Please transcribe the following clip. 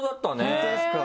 本当ですか？